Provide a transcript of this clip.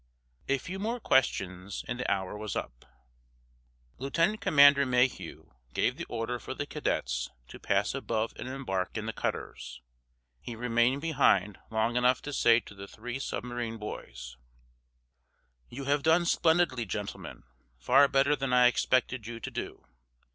A few more questions and the hour was up. Lieutenant Commander Mayhew gave the order for the cadets to pass above and embark in the cutters. He remained behind long enough to say to the three submarine boys: "You have done splendidly, gentlemen—far better than I expected you to do.